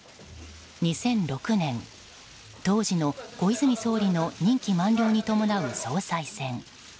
２００６年当時の小泉総理の任期満了に伴う総裁選。